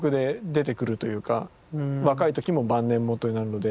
若い時も晩年もとなるので。